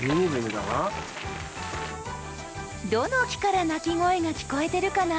どの木から鳴き声が聞こえてるかな？